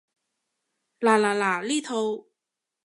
嗱嗱嗱，呢套